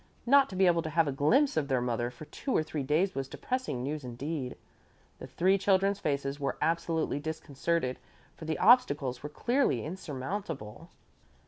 Not to be able to have a glimpse of their mother for two or three days was depressing news indeed. The three children's faces were absolutely disconcerted, for the obstacles were clearly insurmountable.